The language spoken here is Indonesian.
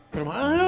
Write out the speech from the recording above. ke rumah lah lo